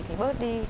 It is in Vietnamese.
thì bớt đi